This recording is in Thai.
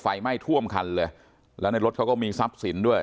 ไฟไหม้ท่วมคันเลยแล้วในรถเขาก็มีทรัพย์สินด้วย